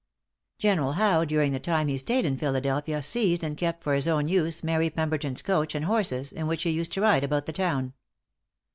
"General Howe, during the time he stayed in Philadelphia, seized and kept for his own use Mary Pemberton's coach and horses, in which he used to ride about the town."